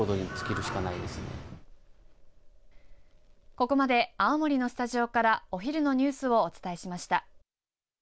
ここまで青森のスタジオからお昼のニュースをお伝えしました。